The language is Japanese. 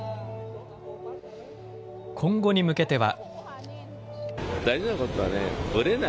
今後に向けては。